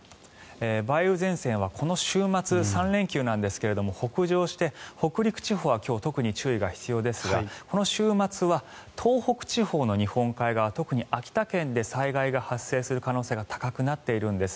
梅雨前線はこの週末３連休なんですが北上して、北陸地方は今日特に注意が必要ですがこの週末は東北地方の日本海側特に秋田県で災害が発生する可能性が高くなっているんです。